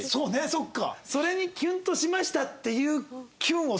そっか。